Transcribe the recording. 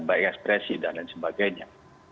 by expression dan lain sebagainya